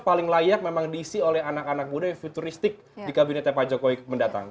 paling layak memang diisi oleh anak anak muda yang futuristik di kabinetnya pak jokowi mendatang